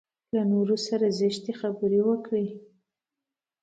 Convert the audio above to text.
له نورو سره زشتې خبرې وکړي.